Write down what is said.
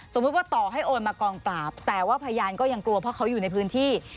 ว่าต่อให้โอนมากองปราบแต่ว่าพยานก็ยังกลัวเพราะเขาอยู่ในพื้นที่